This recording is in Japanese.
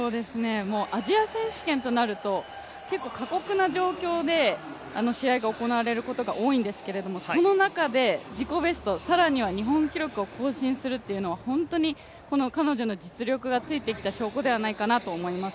アジア選手権となると結構過酷な状況で試合が行われることが多いんですけども、その中で自己ベスト、更には日本記録を更新するというのは本当にこの彼女の実力がついてきた証拠ではないかと思います。